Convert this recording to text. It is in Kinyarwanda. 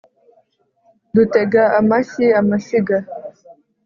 dutega amashyi amashyiga